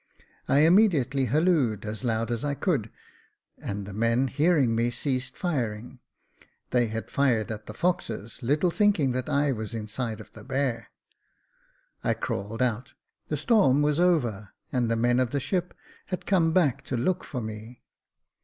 I immediately hallooed as loud as I could, and the men, hearing me, ceased firing. They had fired at the foxes, little thinking that I was inside of the bear. I crawled out j the storm was over, and the men of the ship had Jacob Faithful 135 come back to look for me.